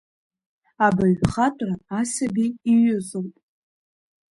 Абаҩхатәра асаби иҩызоуп.